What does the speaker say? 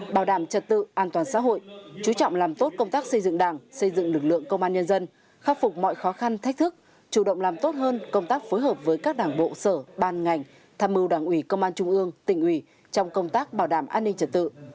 bảo đảm trật tự an toàn xã hội chú trọng làm tốt công tác xây dựng đảng xây dựng lực lượng công an nhân dân khắc phục mọi khó khăn thách thức chủ động làm tốt hơn công tác phối hợp với các đảng bộ sở ban ngành tham mưu đảng ủy công an trung ương tỉnh ủy trong công tác bảo đảm an ninh trật tự